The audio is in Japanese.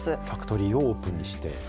ファクトリーをオープンにして。